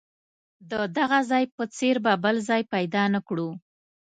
د دغه ځای په څېر به بل ځای پیدا نه کړو.